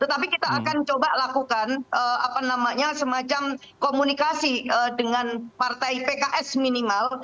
tetapi kita akan coba lakukan semacam komunikasi dengan partai pks minimal